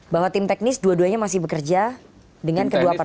bahwa tim teknis dua duanya masih bekerja dengan kedua partai